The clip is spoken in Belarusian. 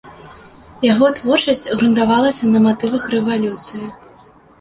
Яго творчасць грунтавалася на матывах рэвалюцыі.